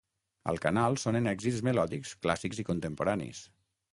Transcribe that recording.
Al canal sonen èxits melòdics clàssics i contemporanis.